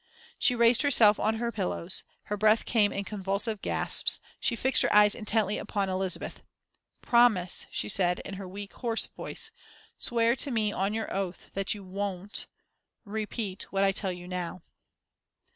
She raised herself up on her pillows, her breath came in convulsive gasps, she fixed her eyes intently upon Elizabeth. "Promise," she said, in her weak, hoarse voice, "swear to me on your oath that you won't repeat what I tell you now."